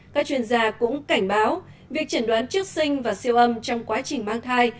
các chuyên gia cũng cảnh báo việc chẩn đoán trước sinh và siêu âm trong quá trình mang thai